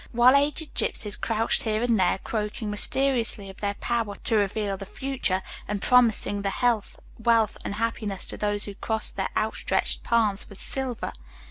While aged gypsies crouched here and there croaking mysteriously of their power to reveal the future, and promising health, wealth and happiness to those who crossed their out stretched palms with silver.